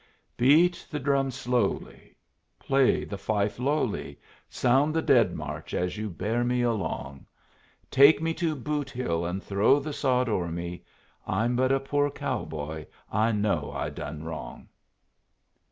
"Beat the drum slowly, Play the fife lowly, Sound the dead march as you bear me along. Take me to Boot hill, and throw the sod over me I'm but a poor cow boy, I know I done wrong."